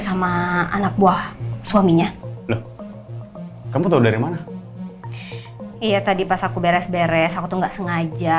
sama anak buah suaminya loh kamu tahu dari mana iya tadi pas aku beres beres aku enggak sengaja